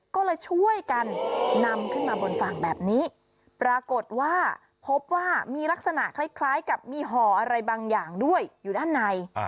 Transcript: ก็เลยช่วยกันนำขึ้นมาบนฝั่งแบบนี้ปรากฏว่าพบว่ามีลักษณะคล้ายกับมีห่ออะไรบางอย่างด้วยอยู่ด้านใน